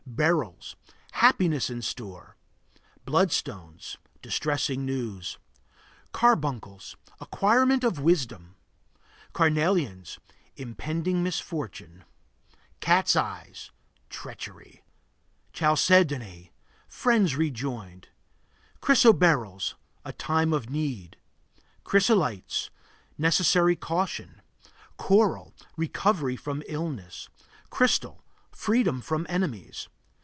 Beryls Happiness in store. Bloodstones Distressing news. Carbuncles Acquirement of wisdom. Carnelians Impending misfortune. Cat's eyes Treachery. Chalcedony Friends rejoined. Chrysoberyls A time of need. Chrysolites Necessary caution. Coral Recovery from illness. Crystal Freedom from enemies.